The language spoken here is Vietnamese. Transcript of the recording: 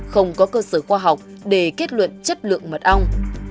không có cơ sở khoa học để kết luận chất lượng mật ong